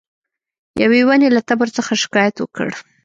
یوې ونې له تبر څخه شکایت وکړ.